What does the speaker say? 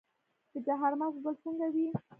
د چهارمغز ګل څنګه وي؟